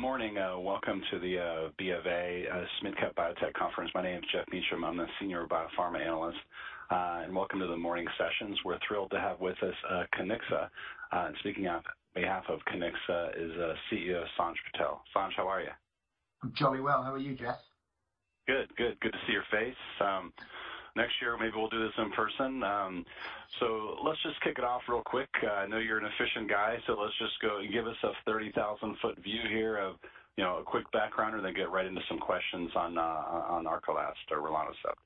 Good morning. Welcome to the BofA SMID Cap Biotech Conference. My name is Geoff Meacham. I'm the senior biopharma analyst. Welcome to the morning sessions. We're thrilled to have with us Kiniksa. Speaking out behalf of Kiniksa is CEO Sanj K. Patel. Sanj, how are you? I'm jolly well. How are you, Geoff? Good. Good to see your face. Next year, maybe we'll do this in person. Let's just kick it off real quick. I know you're an efficient guy, let's just go. Give us a 30,000-foot view here of, you know, a quick background, and then get right into some questions on ARCALYST or rilonacept.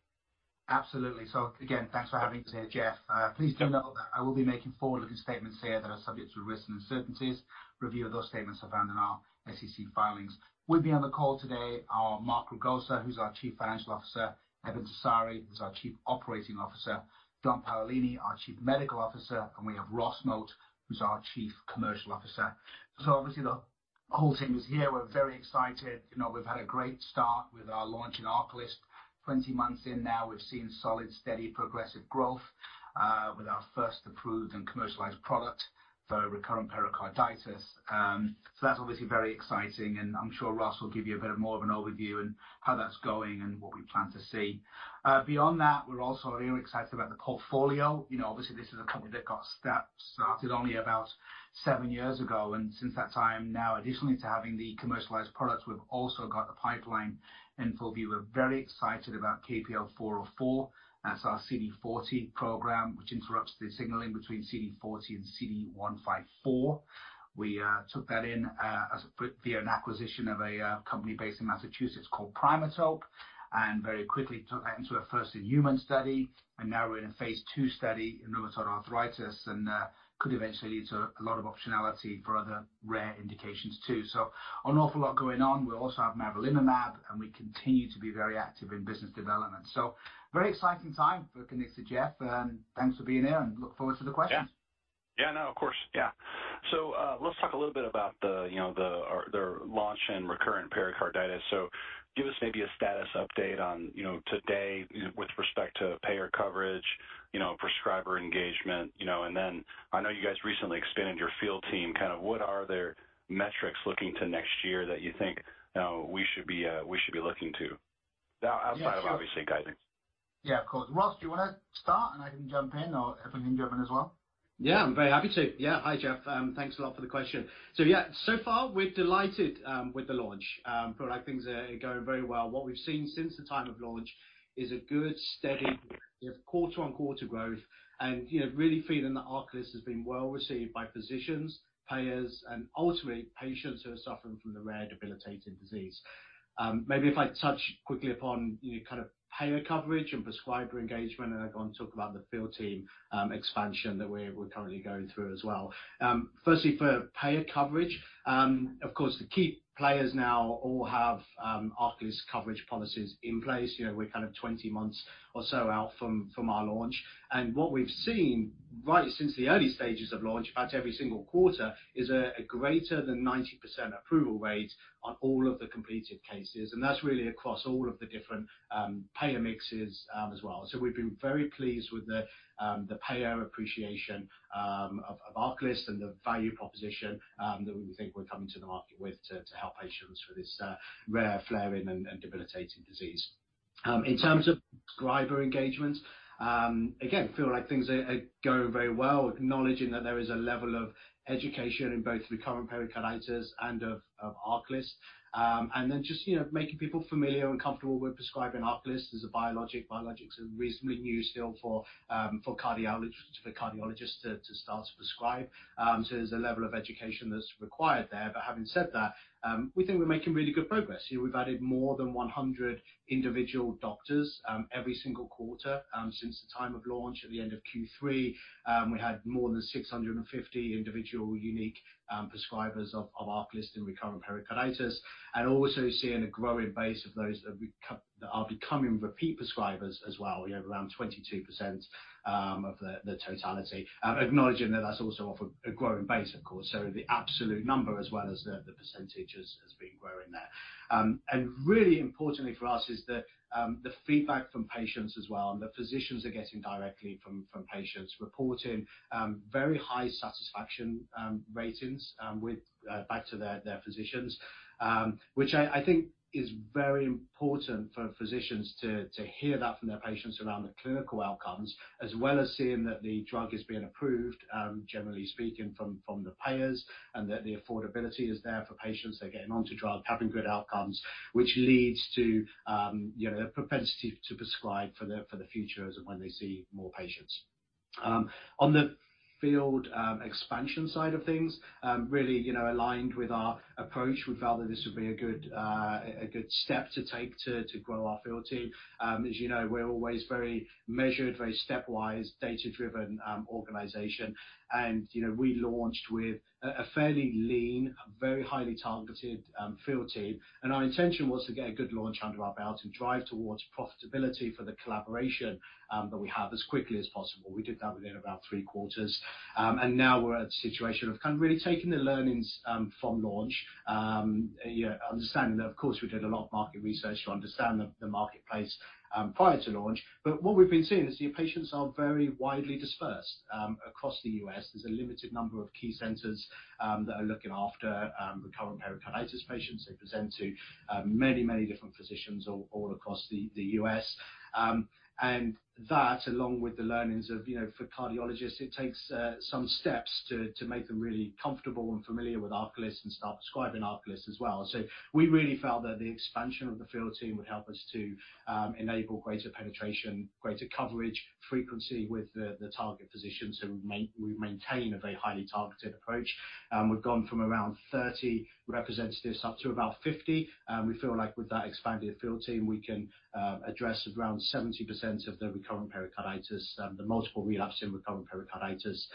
Absolutely. Again, thanks for having me today, Geoff. Please do note that I will be making forward-looking statements here that are subject to risks and uncertainties. Review of those statements are found in our SEC filings. With me on the call today are Mark Ragosa, who's our chief financial officer. Eben Tessari, who's our chief operating officer. John Paolini, our chief medical officer, and we have Ross Moat, who's our chief commercial officer. Obviously, the whole team is here. We're very excited. You know, we've had a great start with our launch in ARCALYST. 20 months in now, we've seen solid, steady, progressive growth with our first approved and commercialized product for recurrent pericarditis. That's obviously very exciting, and I'm sure Ross will give you a bit of more of an overview and how that's going and what we plan to see. Beyond that, we're also really excited about the portfolio. You know, obviously this is a company that got started only about seven years ago, and since that time now, additionally to having the commercialized products, we've also got the pipeline in full view. We're very excited about KPL-404. That's our CD40 program, which interrupts the signaling between CD40 and CD154. We took that in via an acquisition of a company based in Massachusetts called Primatope Therapeutics, and very quickly took that into a first in human study. Now we're in a phase II study in rheumatoid arthritis and could eventually lead to a lot of optionality for other rare indications too. An awful lot going on. We also have mavrilimumab, and we continue to be very active in business development. Very exciting time for Kiniksa, Geoff, and thanks for being here and look forward to the questions. Yeah. Yeah, I know. Of course. Yeah. let's talk a little bit about the, you know, the launch in recurrent pericarditis. give us maybe a status update on, you know, today with respect to payer coverage, you know, prescriber engagement. I know you guys recently expanded your field team. Kind of what are their metrics looking to next year that you think, you know, we should be, we should be looking to outside of obviously guiding? Yeah, of course. Ross, do you wanna start and I can jump in or Eben, can you jump in as well? I'm very happy to. Hi, Geoff, thanks a lot for the question. So far we're delighted with the launch product. Things are going very well. What we've seen since the time of launch is a good, steady, you know, quarter-on-quarter growth and, you know, really feeling that ARCALYST has been well received by physicians, payers and ultimately patients who are suffering from the rare debilitating disease. Maybe if I touch quickly upon, you know, kind of payer coverage and prescriber engagement, and I go and talk about the field team expansion that we're currently going through as well. Firstly for payer coverage. Of course the key players now all have ARCALYST coverage policies in place. You know, we're kind of 20 months or so out from our launch. What we've seen right since the early stages of launch, about every single quarter, is a greater than 90% approval rate on all of the completed cases. That's really across all of the different payer mixes as well. We've been very pleased with the payer appreciation of ARCALYST and the value proposition that we think we're coming to the market with to help patients with this rare flaring and debilitating disease. In terms of prescriber engagement, again, feel like things are going very well, acknowledging that there is a level of education in both recurrent pericarditis and of ARCALYST. Then just, you know, making people familiar and comfortable with prescribing ARCALYST as a biologic. Biologics are reasonably new still for cardiologists to start to prescribe. There's a level of education that's required there. Having said that, we think we're making really good progress here. We've added more than 100 individual doctors every single quarter since the time of launch. At the end of Q3, we had more than 650 individual unique prescribers of ARCALYST in recurrent pericarditis, and also seeing a growing base of those that are becoming repeat prescribers as well. You know, around 22% of the totality. Acknowledging that that's also off a growing base of course. The absolute number as well as the percentage has been growing there. Really importantly for us is the feedback from patients as well and the physicians are getting directly from patients reporting very high satisfaction ratings with back to their physicians. Which I think is very important for physicians to hear that from their patients around the clinical outcomes, as well as seeing that the drug is being approved, generally speaking from the payers and that the affordability is there for patients. They're getting onto drug, having good outcomes, which leads to, you know, a propensity to prescribe for the future as when they see more patients. On the field, expansion side of things, really, you know, aligned with our approach. We felt that this would be a good step to take to grow our field team. As you know, we're always very measured, very stepwise, data-driven organization. You know, we launched with a fairly lean, very highly targeted field team. Our intention was to get a good launch under our belt and drive towards profitability for the collaboration that we have as quickly as possible. We did that within about 3 quarters. Now we're at a situation of kind of really taking the learnings from launch. You understand that of course, we did a lot of market research to understand the marketplace prior to launch. What we've been seeing is your patients are very widely dispersed across the U.S. There's a limited number of key centers that are looking after recurrent pericarditis patients. They present to many different physicians all across the U.S. That along with the learnings of, you know, for cardiologists, it takes some steps to make them really comfortable and familiar with ARCALYST and start prescribing ARCALYST as well. We really felt that the expansion of the field team would help us to enable greater penetration, greater coverage, frequency with the target physicians, so we maintain a very highly targeted approach. We've gone from around 30 representatives up to about 50. We feel like with that expanded field team, we can address around 70% of the recurrent pericarditis, the multiple relapsing recurrent pericarditis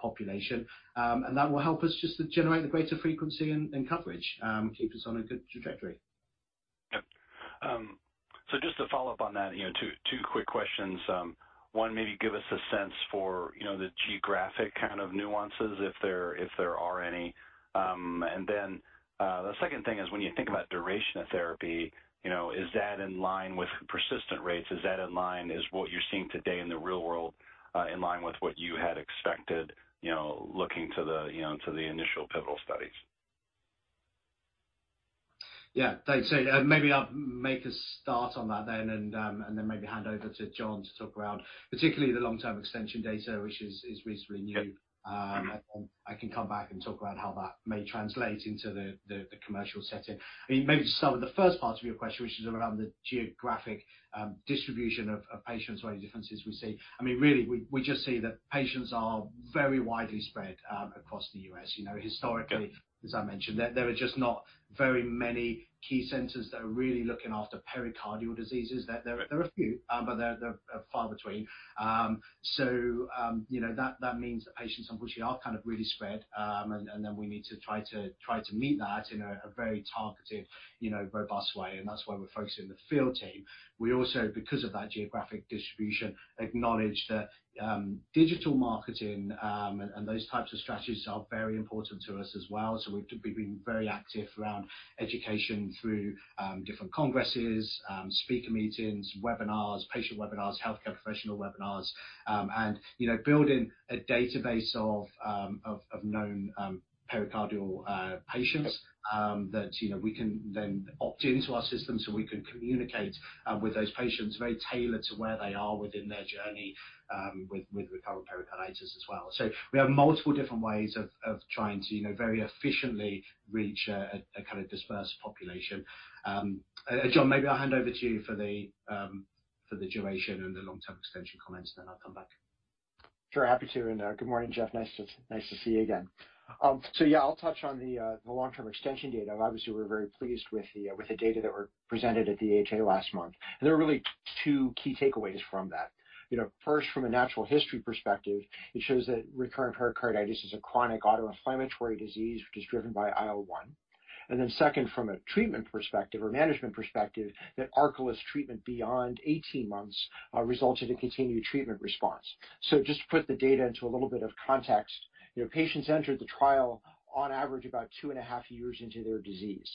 population. That will help us just to generate the greater frequency and coverage, keep us on a good trajectory. Yep. Just to follow up on that, you know, two quick questions. One, maybe give us a sense for, you know, the geographic kind of nuances if there are any. The second thing is when you think about duration of therapy, you know, is that in line with persistent rates? Is what you're seeing today in the real world, in line with what you had expected, you know, looking to the, you know, to the initial pivotal studies? Yeah. Thanks. Maybe I'll make a start on that then and then maybe hand over to John to talk around particularly the long-term extension data, which is reasonably new. I can come back and talk about how that may translate into the, the commercial setting. I mean, maybe to start with the first part of your question, which is around the geographic distribution of patients or any differences we see. I mean, really, we just see that patients are very widely spread across the U.S. You know, historically as I mentioned, there are just not very many key centers that are really looking after pericardial diseases. There are a few, but they're far between. You know, that means that patients unfortunately are kind of really spread, and then we need to try to meet that in a very targeted, you know, robust way, and that's why we're focusing on the field team. We also, because of that geographic distribution, acknowledge that, digital marketing, and those types of strategies are very important to us as well. We've been very active around education through different congresses, speaker meetings, webinars, patient webinars, healthcare professional webinars, and, you know, building a database of known pericardial patients that, you know, we can then opt into our system, so we can communicate with those patients very tailored to where they are within their journey with recurrent pericarditis as well. We have multiple different ways of trying to, you know, very efficiently reach a kind of dispersed population. John, maybe I'll hand over to you for the duration and the long-term extension comments, then I'll come back. Sure. Happy to. Good morning, Geoff. Nice to see you again. Yeah, I'll touch on the long-term extension data. Obviously, we're very pleased with the data that were presented at the AHA last month. There are really two key takeaways from that. You know, first, from a natural history perspective, it shows that recurrent pericarditis is a chronic autoinflammatory disease, which is driven by IL-1. Second, from a treatment perspective or management perspective, that ARCALYST treatment beyond 18 months resulted in continued treatment response. Just to put the data into a little bit of context, you know, patients entered the trial on average about two and a half years into their disease.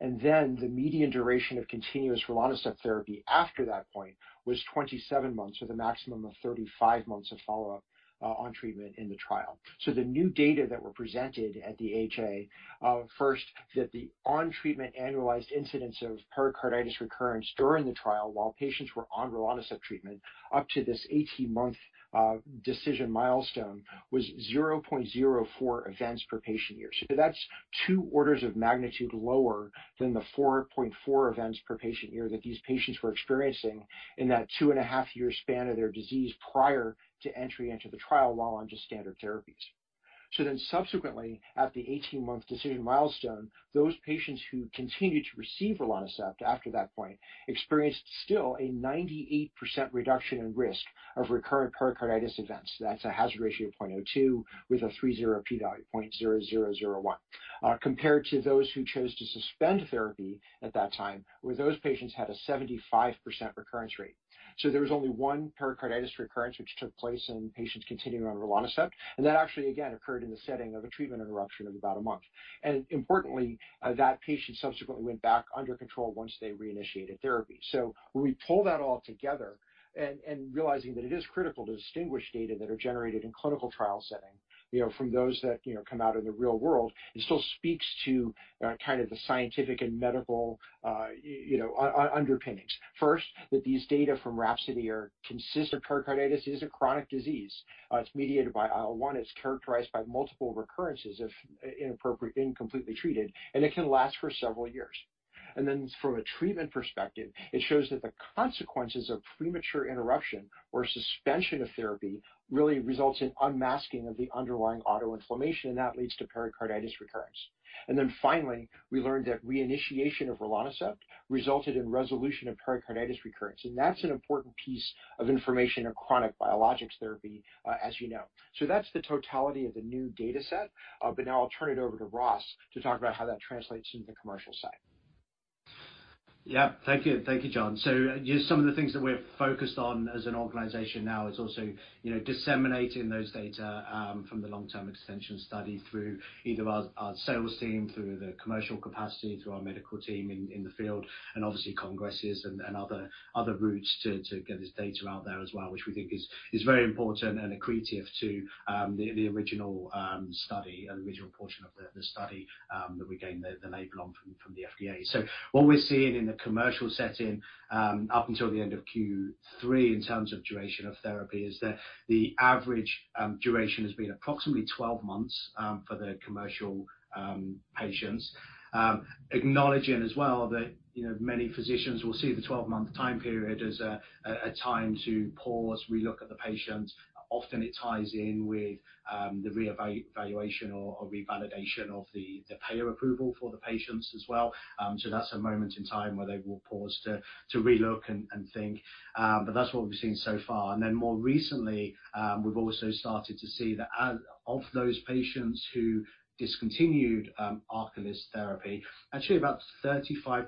The median duration of continuous rilonacept therapy after that point was 27 months, with a maximum of 35 months of follow-up on treatment in the trial. The new data that were presented at the AHA, first, that the on-treatment annualized incidence of pericarditis recurrence during the trial while patients were on rilonacept treatment up to this 18-month decision milestone was 0.04 events per patient year. That's two orders of magnitude lower than the 4.4 events per patient year that these patients were experiencing in that two-and-a-half-year span of their disease prior to entry into the trial, while on just standard therapies. Subsequently, at the 18-month decision milestone, those patients who continued to receive rilonacept after that point experienced still a 98% reduction in risk of recurrent pericarditis events. That's a hazard ratio of 0.02 with a p < 0.0001. Compared to those who chose to suspend therapy at that time, where those patients had a 75% recurrence rate. There was only one pericarditis recurrence which took place in patients continuing on rilonacept, and that actually again occurred in the setting of a treatment interruption of about a month. Importantly, that patient subsequently went back under control once they reinitiated therapy. When we pull that all together and realizing that it is critical to distinguish data that are generated in clinical trial setting, you know, from those that, you know, come out of the real world, it still speaks to kind of the scientific and medical underpinnings. First, that these data from RHAPSODY are consistent. Pericarditis is a chronic disease. It's mediated by IL-1. It's characterized by multiple recurrences if incompletely treated, and it can last for several years. From a treatment perspective, it shows that the consequences of premature interruption or suspension of therapy really results in unmasking of the underlying autoinflammation, and that leads to pericarditis recurrence. Finally, we learned that re-initiation of rilonacept resulted in resolution of pericarditis recurrence, and that's an important piece of information in chronic biologics therapy, as you know. That's the totality of the new data set, now I'll turn it over to Ross to talk about how that translates into the commercial side. Yeah. Thank you. Thank you, John. Just some of the things that we're focused on as an organization now is also, you know, disseminating those data from the long-term extension study through either our sales team, through the commercial capacity, through our medical team in the field, and obviously congresses and other routes to get this data out there as well, which we think is very important and accretive to the original study and the original portion of the study that we gained the label on from the FDA. What we're seeing in the commercial setting up until the end of Q3 in terms of duration of therapy is that the average duration has been approximately 12 months for the commercial patients. Acknowledging as well that, you know, many physicians will see the 12-month time period as a time to pause, relook at the patient. Often it ties in with the reevaluation or revalidation of the payer approval for the patients as well. That's a moment in time where they will pause to relook and think. That's what we've seen so far. More recently, we've also started to see that as of those patients who discontinued ARCALYST therapy, actually about 35%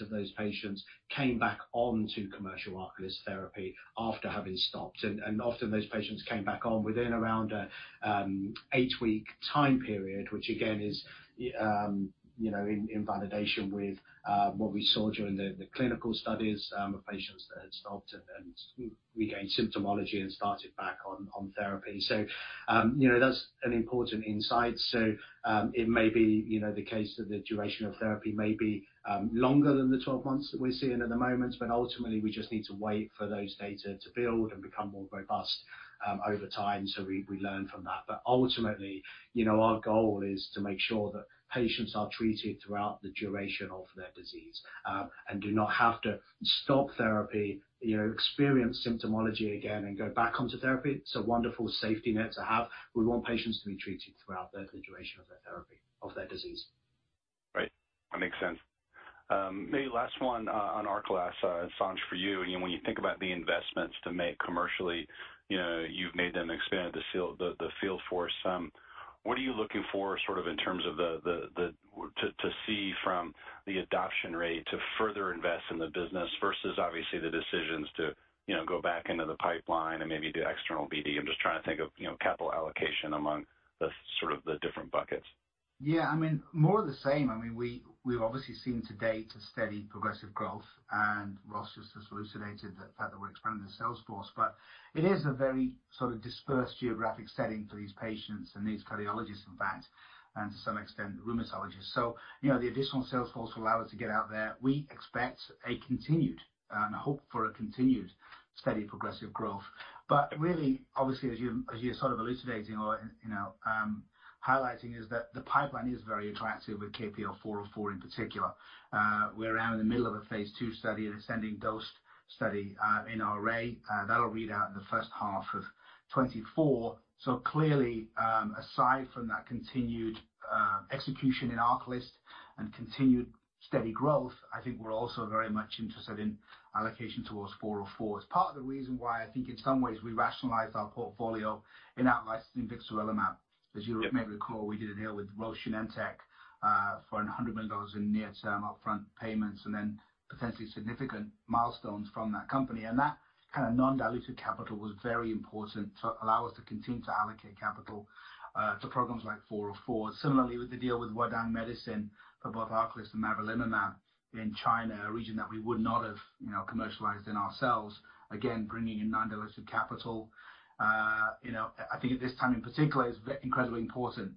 of those patients came back on to commercial ARCALYST therapy after having stopped. Often those patients came back on within around a eight-week time period, which again is, you know, in validation with what we saw during the clinical studies of patients that had stopped and regained symptomology and started back on therapy. You know, that's an important insight. It may be, you know, the case that the duration of therapy may be longer than the 12 months that we're seeing at the moment. Ultimately, we just need to wait for those data to build and become more robust over time so we learn from that. Ultimately, you know, our goal is to make sure that patients are treated throughout the duration of their disease and do not have to stop therapy, you know, experience symptomology again and go back onto therapy. It's a wonderful safety net to have. We want patients to be treated throughout the duration of their therapy of their disease. Right. That makes sense. Maybe last one on ARCALYST, Sanj, for you. You know, when you think about the investments to make commercially, you know, you've made them expand the field, the field force some. What are you looking for sort of in terms of to see from the adoption rate to further invest in the business versus obviously the decisions to, you know, go back into the pipeline and maybe do external BD? I'm just trying to think of, you know, capital allocation among the sort of the different buckets. I mean, more of the same. I mean, we've obviously seen to date a steady progressive growth. Ross just elucidated the fact that we're expanding the sales force. It is a very sort of dispersed geographic setting for these patients and these cardiologists, in fact, and to some extent, rheumatologists. You know, the additional sales force will allow us to get out there. We expect a continued and hope for a continued steady progressive growth. Really, obviously, as you're sort of elucidating or, you know, highlighting, is that the pipeline is very attractive with KPL-404 in particular. We're around in the middle of a phase II study, an ascending dose study in RA. That'll read out in the first half of 2024. Clearly, aside from that continued execution in ARCALYST and continued steady growth, I think we're also very much interested in allocation towards KPL-404. It's part of the reason why I think in some ways we rationalized our portfolio in out licensing vixarelimab. As you may recall, we did a deal with Roche Genentech for $100 million in near-term upfront payments and then potentially significant milestones from that company. That kind of non-dilutive capital was very important to allow us to continue to allocate capital to programs like KPL-404. Similarly, with the deal with Huadong Medicine for both ARCALYST and mavrilimumab in China, a region that we would not have, you know, commercialized in ourselves. Again, bringing in non-dilutive capital. You know, I think at this time in particular, it's incredibly important.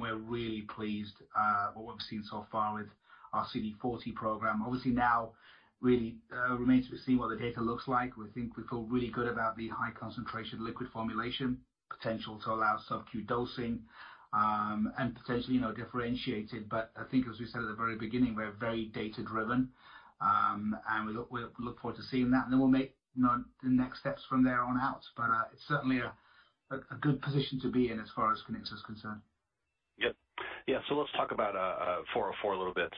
We're really pleased what we've seen so far with our CD40 program. Obviously, now really remains to be seen what the data looks like. We think we feel really good about the high concentration liquid formulation potential to allow subQ dosing, and potentially, you know, differentiate it. I think as we said at the very beginning, we're very data-driven. We look forward to seeing that. We'll make, you know, the next steps from there on out. It's certainly a good position to be in as far as Kiniksa is concerned. Yep. Yeah. Let's talk about KPL-404 a little bit.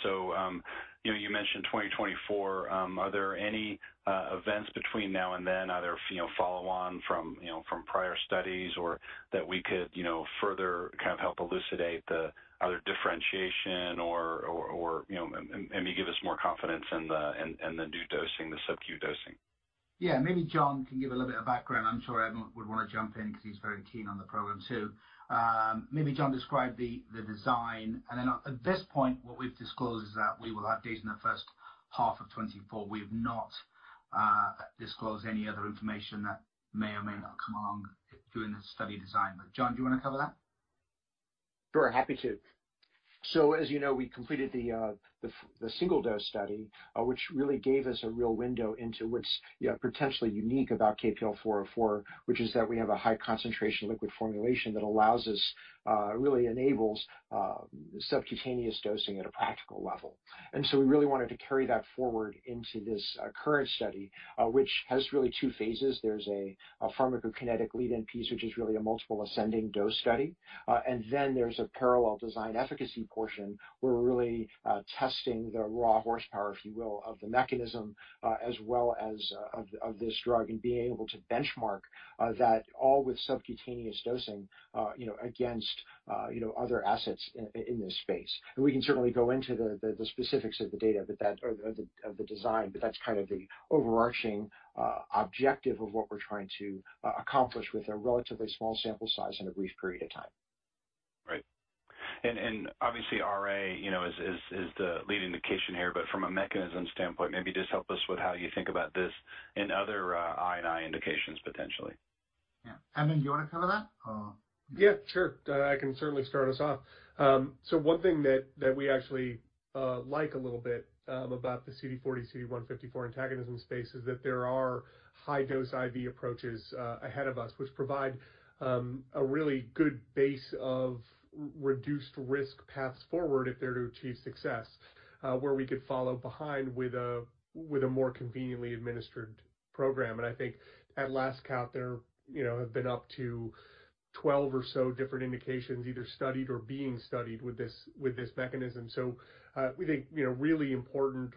You know, you mentioned 2024. Are there any events between now and then either, you know, follow on from, you know, from prior studies or that we could, you know, further kind of help elucidate the other differentiation or, you know, maybe give us more confidence in the new dosing, the subQ dosing? Yeah. Maybe John can give a little bit of background. I'm sure Eben would wanna jump in 'cause he's very keen on the program too. Maybe John describe the design. At this point, what we've disclosed is that we will have data in the first half of 2024. We've not disclosed any other information that may or may not come along during the study design. John, do you wanna cover that? Sure. Happy to. As you know, we completed the single dose study, which really gave us a real window into what's, you know, potentially unique about KPL-404, which is that we have a high concentration liquid formulation that allows us, really enables, subcutaneous dosing at a practical level. We really wanted to carry that forward into this current study, which has really two phases. There's a pharmacokinetic lead-in piece, which is really a multiple ascending dose study. There's a parallel design efficacy portion. We're really testing the raw horsepower, if you will, of the mechanism, as well as of this drug and being able to benchmark that all with subcutaneous dosing, you know, against, you know, other assets in this space. We can certainly go into the specifics of the data or of the design, but that's kind of the overarching objective of what we're trying to accomplish with a relatively small sample size in a brief period of time. Right. And obviously RA, you know, is the leading indication here, but from a mechanism standpoint, maybe just help us with how you think about this in other, I&I indications potentially. Yeah. Eben, do you wanna cover that? Yeah, sure. I can certainly start us off. One thing that we actually like a little bit about the CD40, CD154 antagonism space is that there are high-dose IV approaches ahead of us, which provide a really good base of reduced risk paths forward if they're to achieve success, where we could follow behind with a, with a more conveniently administered program. I think at last count, there, you know, have been up to 12 or so different indications either studied or being studied with this mechanism. We think, you know, really important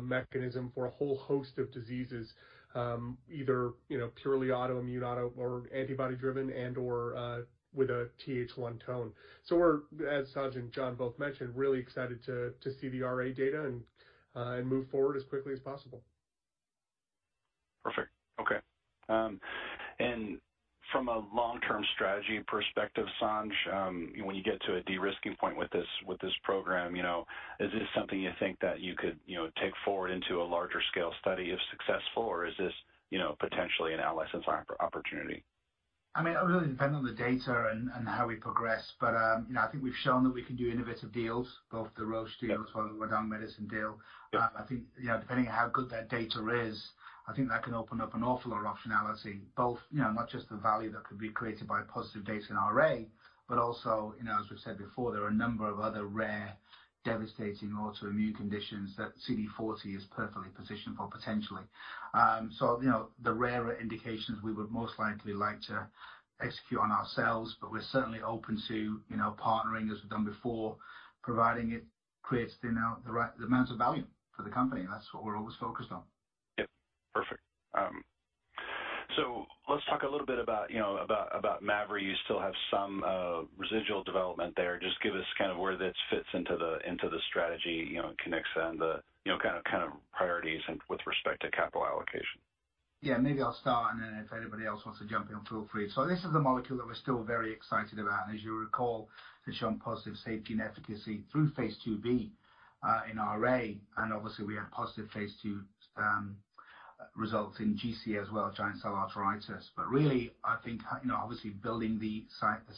mechanism for a whole host of diseases, either, you know, purely autoimmune, or antibody driven and/or with a Th1 tone. We're, as Sanj and John both mentioned, really excited to see the RA data and move forward as quickly as possible. Perfect. Okay. From a long-term strategy perspective, Sanj, when you get to a de-risking point with this, with this program, you know, is this something you think that you could, you know, take forward into a larger scale study if successful? Or is this, you know, potentially an out-license opportunity? I mean, it really depends on the data and how we progress. you know, I think we've shown that we can do innovative deals, both the Roche deals. As well as the Huadong Medicine deal. I think, you know, depending on how good that data is, I think that can open up an awful lot of optionality, both, you know, not just the value that could be created by positive data in RA, but also, you know, as we've said before, there are a number of other rare, devastating autoimmune conditions that CD40 is perfectly positioned for potentially. The rarer indications we would most likely like to execute on ourselves, but we're certainly open to, you know, partnering as we've done before, providing it creates the, you know, the right amounts of value for the company. And that's what we're always focused on. Yep. Perfect. Let's talk a little bit about, you know, about mavrilimumab. You still have some residual development there. Just give us kind of where this fits into the strategy, you know, at Kiniksa and the, you know, kind of priorities in with respect to capital allocation. Maybe I'll start, and then if anybody else wants to jump in feel free. This is a molecule that we're still very excited about. As you recall, it's shown positive safety and efficacy through phase IIb in RA. Obviously we had positive phase II results in GCA as well, giant cell arteritis. Really, I think, you know, obviously building the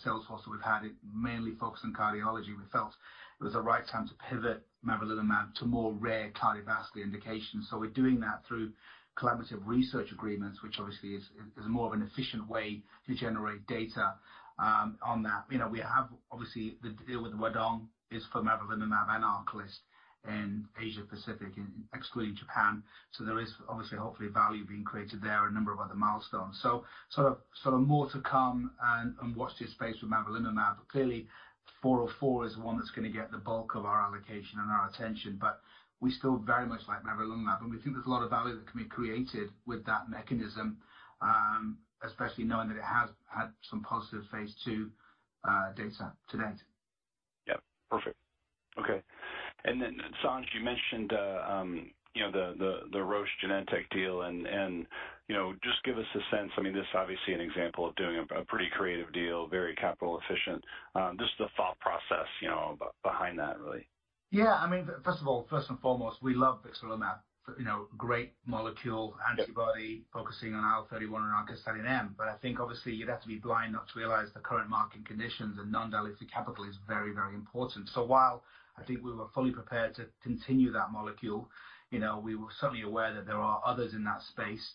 sales force that we've had, it mainly focused on cardiology. We felt it was the right time to pivot mavrilimumab to more rare cardiovascular indications. We're doing that through collaborative research agreements, which obviously is more of an efficient way to generate data on that. You know, we have obviously the deal with Huadong is for mavrilimumab and ARCALYST in Asia Pacific, excluding Japan. There is obviously hopefully value being created there, a number of other milestones. Sort of, more to come and watch this space with mavrilimumab. Clearly, 404 is the one that's gonna get the bulk of our allocation and our attention. We still very much like mavrilimumab, and we think there's a lot of value that can be created with that mechanism, especially knowing that it has had some positive phase II data to date. Yep. Perfect. Okay. Then Sanj, you mentioned, you know, the Roche Genentech deal and, you know, just give us a sense. I mean, this is obviously an example of doing a pretty creative deal, very capital efficient. Just the thought process, you know, behind that really. Yeah. I mean, first of all, first and foremost, we love vixarelimab. You know, great molecule antibody focusing on IL-31 and OSM. I think obviously you'd have to be blind not to realize the current market conditions and non-dilutive capital is very, very important. While I think we were fully prepared to continue that molecule, you know, we were certainly aware that there are others in that space.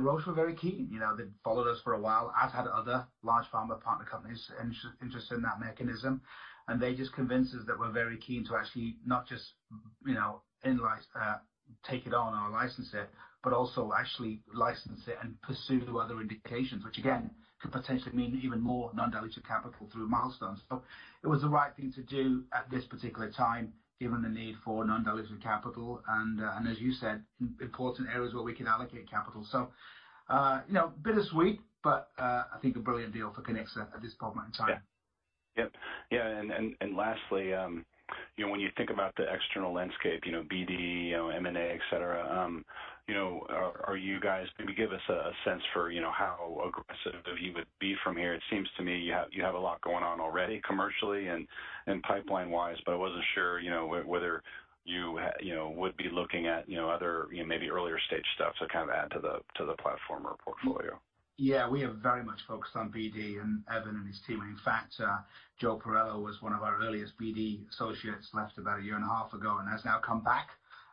Roche were very keen. You know, they'd followed us for a while, as had other large pharma partner companies interested in that mechanism. They just convinced us that we're very keen to actually not just, you know, take it on or license it, but also actually license it and pursue the other indications, which again, could potentially mean even more non-dilutive capital through milestones. It was the right thing to do at this particular time, given the need for non-dilutive capital and, as you said, important areas where we can allocate capital. You know, bittersweet, but I think a brilliant deal for Kiniksa at this point in time. Yeah. Yep. Yeah. Lastly, you know, when you think about the external landscape, you know, BD, M&A, et cetera, you know, are you guys? Can you give us a sense for, you know, how aggressive you would be from here? It seems to me you have a lot going on already commercially and pipeline-wise. I wasn't sure, you know, whether you know, would be looking at, you know, other, you know, maybe earlier stage stuff to kind of add to the, to the platform or portfolio. We are very much focused on BD and Eben and his team. In fact, Joseph Boncore was one of our earliest BD associates, left about a year and a half ago, and has now come back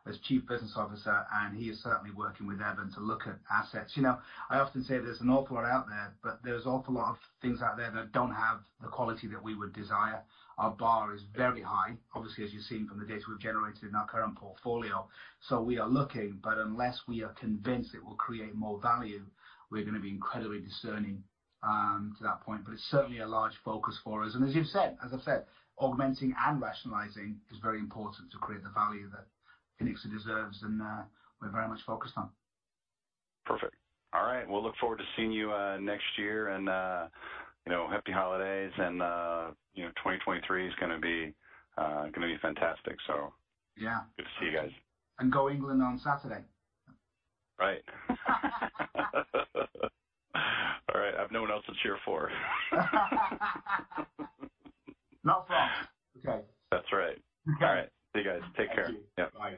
as chief business officer, and he is certainly working with Eben to look at assets. You know, I often say there's an awful lot out there, but there's awful lot of things out there that don't have the quality that we would desire. Our bar is very high, obviously, as you've seen from the data we've generated in our current portfolio. We are looking, but unless we are convinced it will create more value, we're gonna be incredibly discerning, to that point. It's certainly a large focus for us. As you've said, as I said, augmenting and rationalizing is very important to create the value that Kiniksa deserves, and, we're very much focused on. Perfect. All right. We'll look forward to seeing you, next year and, you know, happy holidays and, you know, 2023 is gonna be fantastic, so. Good to see you guys. Go England on Saturday. Right. All right. I have no one else to cheer for. No France. Okay. That's right. All right. See you guys. Take care. Thank you. Yep. Bye.